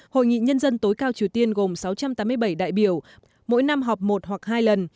hội nghị nhân dân tối cao triều tiên gồm sáu trăm tám mươi bảy đại biểu mỗi năm họp một hoặc hai lần